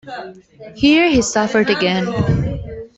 Here he suffered again.